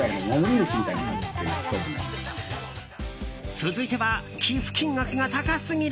続いては寄付金額が高すぎる！